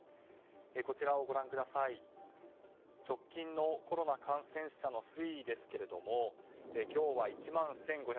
こちらは直近のコロナ感染者の推移ですが今日は１万１５１１人。